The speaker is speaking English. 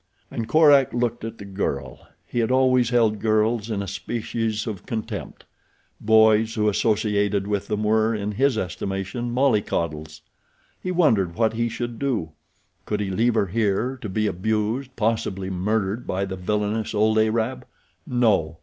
And Korak looked at the girl. He had always held girls in a species of contempt. Boys who associated with them were, in his estimation, mollycoddles. He wondered what he should do. Could he leave her here to be abused, possibly murdered, by the villainous old Arab? No!